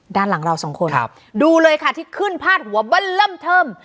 ด้านหลังเราสองคนครับดูเลยค่ะที่ขึ้นผ้าหัวบันล่ำเทิม